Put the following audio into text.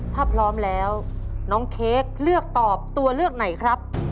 ถ้าพร้อมแล้วน้องเค้กเลือกตอบตัวเลือกไหนครับ